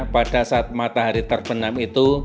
pada saat matahari terbenam itu